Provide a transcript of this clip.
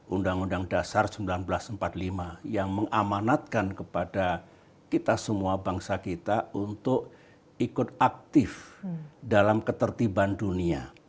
undang undang dasar seribu sembilan ratus empat puluh lima yang mengamanatkan kepada kita semua bangsa kita untuk ikut aktif dalam ketertiban dunia